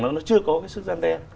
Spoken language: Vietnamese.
nó chưa có cái sức gian đe